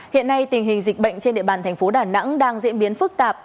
hiện nay tình hình dịch bệnh trên địa bàn thành phố đà nẵng đang diễn biến phức tạp